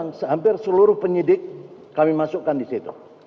hampir seluruh penyidik kami masukkan di situ